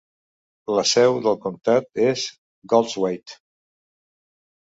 La seu del comtat és Goldthwaite.